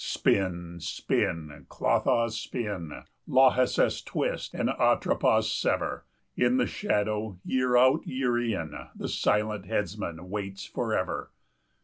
Spin, spin, Clotho, spin! Lachesis, twist! and, Atropos, sever! In the shadow, year out, year in, The silent headsman waits forever.